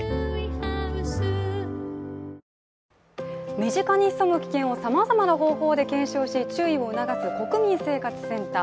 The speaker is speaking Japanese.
身近に潜む危険をさまざまな方法で検証し注意を促す国民生活センター。